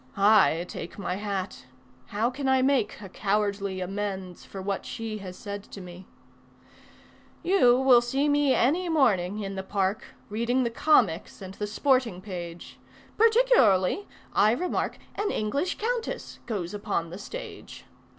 I take my hat: how can I make a cowardly amends For what she has said to me? You will see me any morning in the park Reading the comics and the sporting page. Particularly I remark An English countess goes upon the stage.